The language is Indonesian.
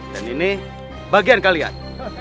dan ini bagian kalian